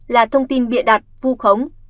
là thông tin bịa đặt vu khống